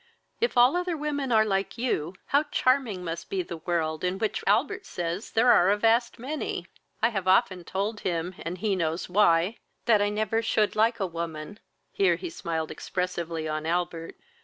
If all other women are like you, how charming must be the world, in which Albert says there are a vast many! I have often told him, and he knows why, that I never should like a woman; (here he smiled expressively on Albert.)